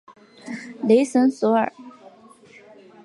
雷神索尔。